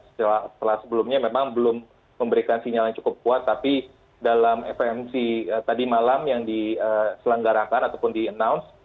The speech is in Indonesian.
setelah sebelumnya memang belum memberikan sinyal yang cukup kuat tapi dalam fmc tadi malam yang diselenggarakan ataupun di announce